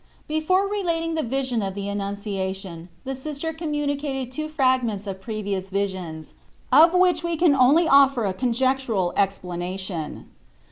BEFORE relating the vision of the An nunciation the Sister communicated two fragments of previous visions, of which we can only offer a conjectural explana tion.